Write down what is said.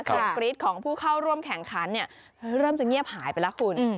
กรี๊ดของผู้เข้าร่วมแข่งขันเริ่มจะเงียบหายไปแล้วคุณ